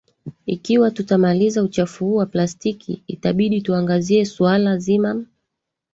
Ikiwa tutamaliza uchafu huu wa plastiki itabidi tuangazie suala zima